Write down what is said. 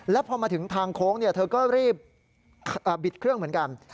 แล้วพอมาถึงทางโค้งเธอก็รีบบิดเครื่องเหมือนกัน